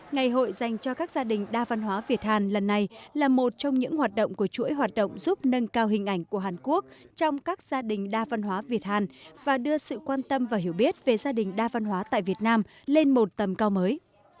ngày hội dành cho các gia đình đa văn hóa việt hàn lần này là một trong những hoạt động của chuỗi hoạt động giúp nâng cao hình ảnh của hàn quốc trong các gia đình đa văn hóa việt hàn và đưa sự quan tâm và hiểu biết về gia đình đa văn hóa tại việt nam lên một tầm cao mới